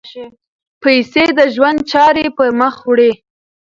پیسې د ژوند چارې پر مخ وړي.